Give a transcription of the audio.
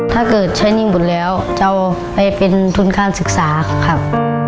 ถ้าเกิดใช้หนี้หมดแล้วจะเอาไปเป็นทุนการศึกษาครับ